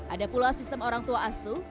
ada pula sistem orangtua asuh